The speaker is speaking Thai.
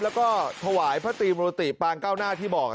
แล้วก็ถวายพระตีมรุติปางเก้าหน้าที่บอก